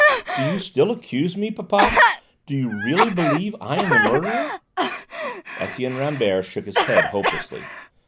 "Do you still accuse me, papa? Do you really believe I am the murderer?" Etienne Rambert shook his head hopelessly.